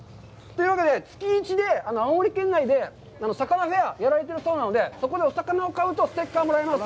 というわけで、月一で青森県内で魚フェア、やられているそうなので、そこでお魚を買うとステッカーをもらえます。